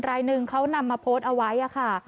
รายหนึ่งเขานำมาโพสต์เอาไว้ค่ะ